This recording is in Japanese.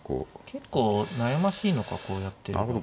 結構悩ましいのかこうやってれば。